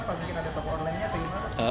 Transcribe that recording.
atau mungkin ada toko online nya